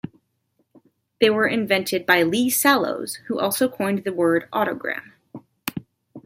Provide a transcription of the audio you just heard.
They were invented by Lee Sallows, who also coined the word "autogram".